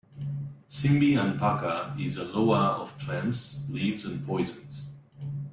Simbi Anpaka is a Loa of plants, leaves, and poisons.